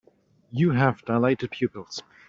You have dilated pupils.